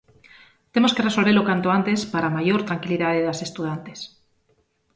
Temos que resolvelo canto antes para maior tranquilidade das estudantes.